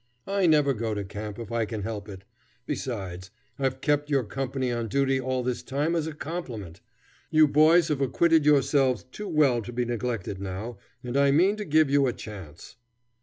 I never go to camp if I can help it. Besides, I've kept your company on duty all this time as a compliment. You boys have acquitted yourselves too well to be neglected now, and I mean to give you a chance."